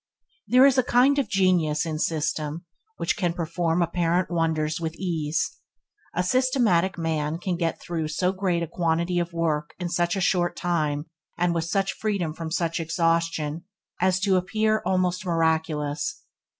There is a kind of genius in system which can perform apparent wonders with ease. A systematic man can get through so great a quantity of work in such a short time, and with such freedom from such exhaustion, as to appear almost miraculous.